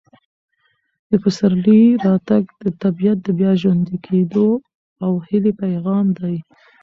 د پسرلي راتګ د طبیعت د بیا ژوندي کېدو او هیلې پیغام دی.